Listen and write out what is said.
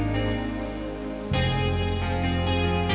dan ya udah nek